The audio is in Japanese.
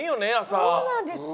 そうなんです。